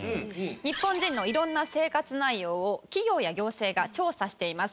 日本人の色んな生活内容を企業や行政が調査しています。